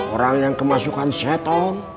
orang yang kemasukan setong